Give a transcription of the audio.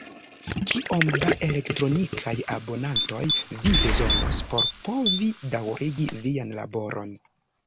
Kiom da elektronikaj abonantoj vi bezonos por povi daŭrigi vian laboron?